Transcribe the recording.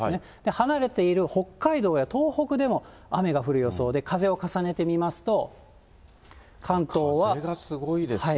離れている北海道や東北でも雨が降る予想で、風を重ねてみますと、関東は。